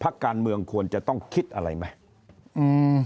การเมืองควรจะต้องคิดอะไรไหม